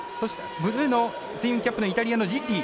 ブルーのスイミングキャップのイタリアのジッリ。